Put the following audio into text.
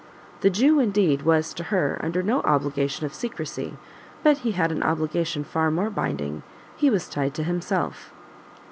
The Jew, indeed, was, to her, under no obligation of secrecy, but he had an obligation far more binding, he was tied to himself.